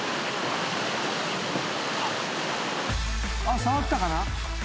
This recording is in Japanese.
あっ触ったかな？